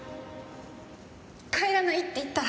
帰らないって言ったら？